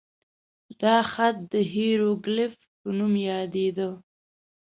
دا خط د هیروګلیف په نوم یادېده.